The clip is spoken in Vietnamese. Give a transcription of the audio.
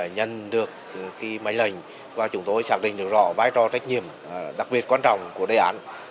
nhận được máy lệnh và chúng tôi xác định được rõ vai trò trách nhiệm đặc biệt quan trọng của đề án